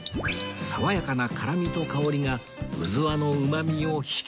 爽やかな辛みと香りがうずわのうまみを引き立てます